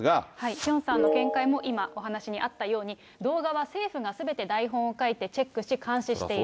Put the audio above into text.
ピョンさんの見解も今お話にあったように、動画は政府がすべて台本を書いてチェックし、監視している。